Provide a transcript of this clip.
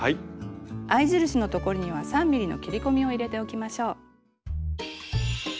合い印のところには３ｍｍの切り込みを入れておきましょう。